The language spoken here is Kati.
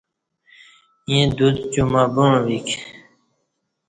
ییں دوڅ جمعہ بوعݩویک